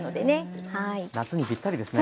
へえ夏にぴったりですね。